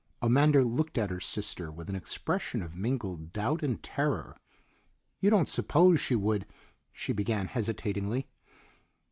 Amanda looked at her sister with an expression of mingled doubt and terror. "You don't suppose she would " she began hesitatingly.